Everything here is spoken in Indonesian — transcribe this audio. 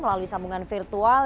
melalui sambungan virtual